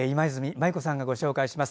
マユ子さんがご紹介します。